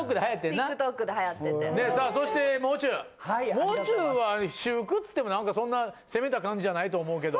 もう中は私服っつっても何かそんな攻めた感じじゃないと思うけど。